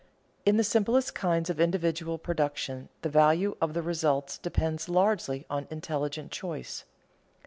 _In the simplest kinds of individual production the value of the results depends largely on intelligent choice.